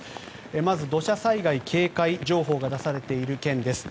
まず、土砂災害警戒情報が出されている県です。